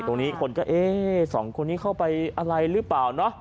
คนนี้คนก็เอ๊ะสองคนนี้เข้าไปอะไรหรือเปล่าเนาะ